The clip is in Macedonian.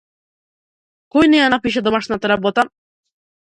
Кој не ја напиша домашната работа?